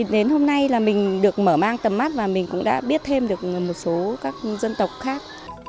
đến hôm nay là mình được mở mang tầm mắt và mình cũng đã biết thêm được một số các dân tộc khác